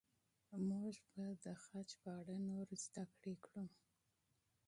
موږ به د خج په اړه نور زده کړو.